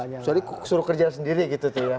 jadi suruh kerja sendiri gitu tuh ya